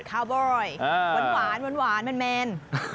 ข้าวบอยหวานแมน